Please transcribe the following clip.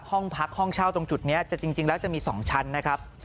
ห้องพักห้องเช่าตรงจุดนี้จริงแล้วจะมี๒ชั้นนะครับ